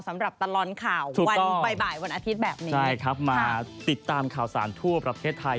สำหรับตลอดข่าววันไปบ่ายวันอาทิตย์แบบนี้ใช่ครับมาติดตามข่าวสารทั่วประเทศไทย